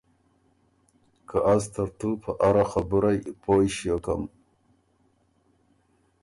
که از ترتُو په اره خبُرئ پویٛݭیوکم۔